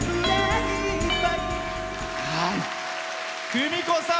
クミコさん